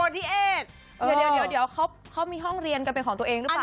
พี่เอกเดี๋ยวเขามีห้องเรียนกันเป็นของตัวเองหรือเปล่า